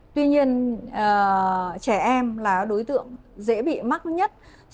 tuy nhiên trẻ em là đối tượng dễ bị mắc nhất